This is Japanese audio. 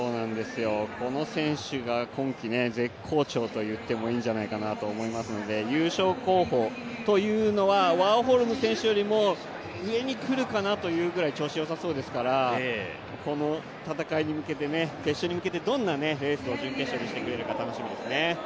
この選手が今季絶好調と言ってもいいんじゃないかなと思いますので、優勝候補というのは、ワーホルム選手よりも上にくるかなというぐらい調子よさそうですから決勝に向けてどんなレースを準決勝でしてくれるか楽しみですね。